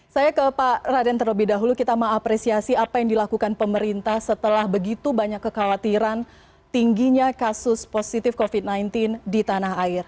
saya ke pak raden terlebih dahulu kita mengapresiasi apa yang dilakukan pemerintah setelah begitu banyak kekhawatiran tingginya kasus positif covid sembilan belas di tanah air